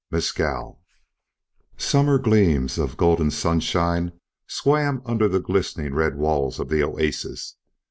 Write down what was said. XXI. MESCAL SUMMER gleams of golden sunshine swam under the glistening red walls of the oasis.